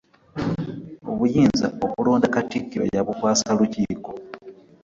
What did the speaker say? Obuyinza obulonda Katikkiro yabukwasa Lukiiko.